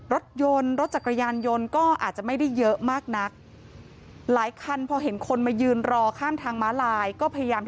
รถยนต์รถจักรยานยนต์ก็อาจจะไม่ได้เยอะมากนัก